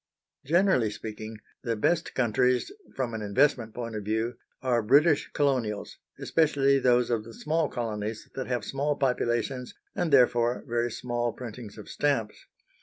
Generally speaking, the best countries from an investment point of view are British Colonials, especially those of the small colonies that have small populations, and therefore very small printings of stamps.